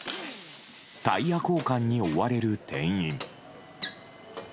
タイヤ交換に追われる店員。